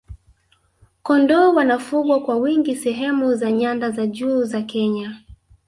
kondoo wanafugwa kwa wingi sehemu za nyanda za juu za kenya